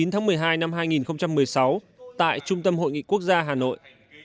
một mươi tháng một mươi hai năm hai nghìn một mươi sáu tại trung tâm hội nghị quốc gia hà nội